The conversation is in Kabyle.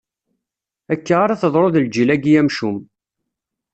Akka ara teḍru d lǧil-agi amcum.